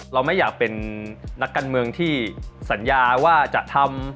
เราไม่อยากเป็นนักการเมืองที่สัญญาว่าจะทำ